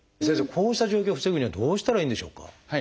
こうした状況を防ぐにはどうしたらいいんでしょうか？